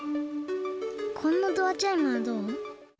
こんなドアチャイムはどう？